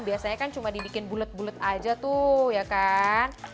biasanya kan cuma dibikin bulet bulet aja tuh ya kan